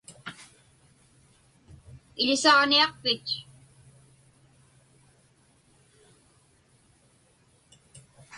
Iḷisaġniaqpich?